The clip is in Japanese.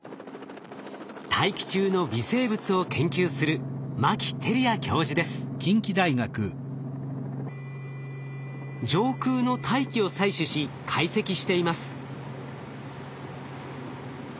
大気中の微生物を研究する上空の大気を採取し解析しています。